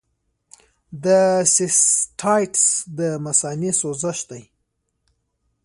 د سیسټایټس د مثانې سوزش دی.